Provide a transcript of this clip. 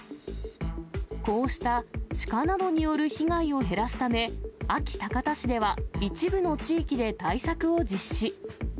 こうしたシカなどによる被害を減らすため、安芸高田市では、一部の地域で対策を実施。